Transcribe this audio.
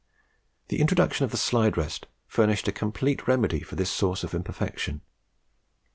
The introduction of the slide rest furnished a complete remedy for this source of imperfection.